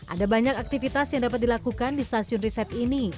ada banyak aktivitas yang dapat dilakukan di stasiun riset ini